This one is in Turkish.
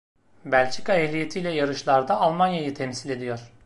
Belçika ehliyetiyle yarışlarda Almanya'yı temsil ediyor.